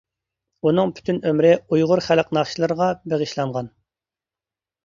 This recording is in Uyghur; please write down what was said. ئۇنىڭ پۈتۈن ئۆمرى ئۇيغۇر خەلق ناخشىلىرىغا بېغىشلانغان.